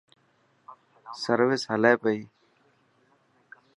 سروس هلي پئي.